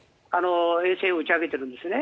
衛星を打ち上げてるんですね。